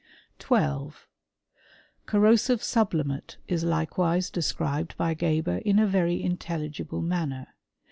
3 l2. Corrosive sublimate is likewise described I Geber in a very intelligible manner.